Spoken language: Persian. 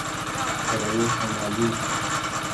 کره شمالی